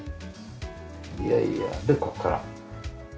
いやいやでここから。